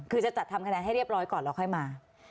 คือจะจัดทำคะแนนให้เรียบร้อยก่อนแล้วค่อยมา